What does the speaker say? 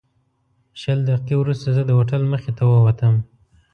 شل دقیقې وروسته زه د هوټل مخې ته ووتم.